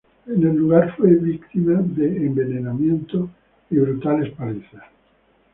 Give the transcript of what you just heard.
En el lugar, fue víctima de envenenamiento y brutales golpizas.